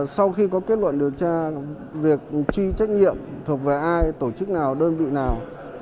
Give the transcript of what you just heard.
sau khi có kết luận điều tra việc truy trách nhiệm thuộc về ai tổ chức nào đơn vị nào